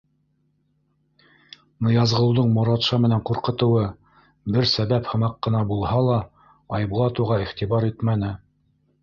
Ныязғолдоң Моратша менән ҡурҡытыуы бер сәбәп һымаҡ ҡына булһа ла, Айбулат уға иғтибар итмәне.